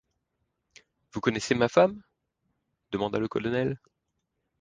Vous connaissez ma femme ? demanda le colonel.